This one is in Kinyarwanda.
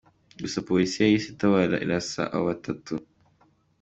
Gusa, polisi yahise itabara irasa abo batatu.